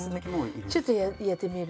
ちょっとやってみる？